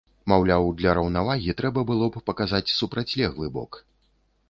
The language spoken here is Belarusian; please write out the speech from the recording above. Маўляў, для раўнавагі трэба было б паказаць супрацьлеглы бок.